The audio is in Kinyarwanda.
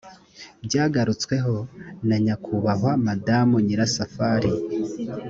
byagarutsweho na nyakubahwa madamu nyirasafari